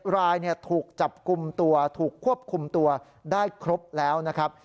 รายถูกจับกลุ่มตัวถูกควบคุมตัวได้ครบแล้วนะครับ